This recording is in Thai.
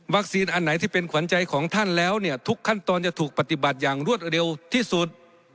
อันไหนที่เป็นขวัญใจของท่านแล้วเนี่ยทุกขั้นตอนจะถูกปฏิบัติอย่างรวดเร็วที่สุด